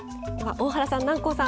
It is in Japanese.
大原さん、南光さん